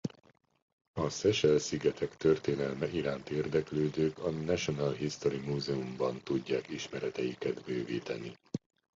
A Seychelle-szigetek történelme iránt érdeklődők a National History Museumban tudják ismereteiket bővíteni.